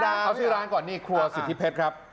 เอาชื่อร้านก่อนนี่ครัวสิทธิเพชรครับ